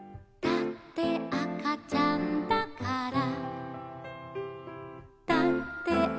「だってあかちゃんだから」